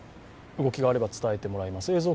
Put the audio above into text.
動きがあれば伝えてもらいます。